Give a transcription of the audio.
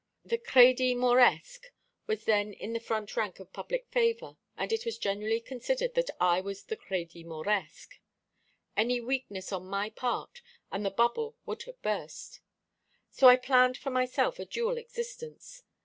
The Crédit Mauresque was then in the front rank of public favour, and it was generally considered that I was the Crédit Mauresque. Any weakness on my part and the bubble would have burst. So I planned for myself a dual existence.